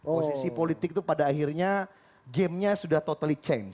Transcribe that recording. posisi politik itu pada akhirnya gamenya sudah totally change